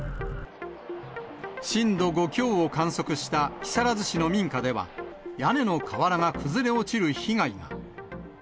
震度５強を観測した木更津市の民家では、屋根の瓦が崩れ落ちる被害が。